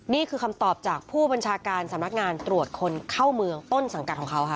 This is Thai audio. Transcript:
นี่คือคำตอบจากผู้บัญชาการสำนักงานตรวจคนเข้าเมืองต้นสังกัดของเขาค่ะ